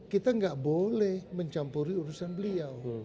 kita nggak boleh mencampuri urusan beliau